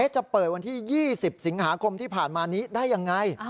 จะเปิดวันที่๒๐สิงหาคมที่ผ่านมานี้ได้ยังไง